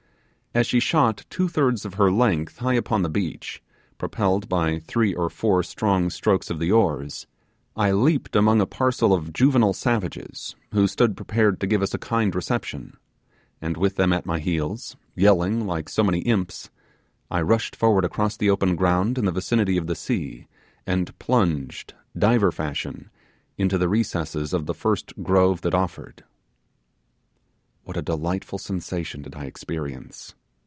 As she shot two thirds of her length high upon the beach, propelled by three or four strong strokes of the oars, I leaped among a parcel of juvenile savages, who stood prepared to give us a kind reception; and with them at my heels, yelling like so many imps, I rushed forward across the open ground in the vicinity of the sea, and plunged, diver fashion, into the recesses of the first grove that offered. What a delightful sensation did I experience!